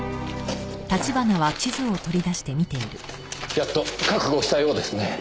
やっと覚悟したようですねぇ。